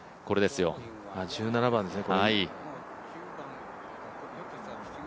１７番ですね。